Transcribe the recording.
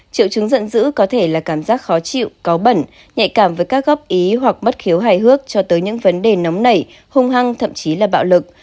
triệu chứng giận dữ có thể là cảm giác khó chịu cáo bẩn nhạy cảm với các góp ý hoặc bất khiếu hài hước cho tới những vấn đề nóng nảy hung hăng thậm chí là bạo lực